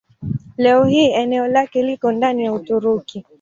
Leo hii eneo lake liko ndani ya Uturuki.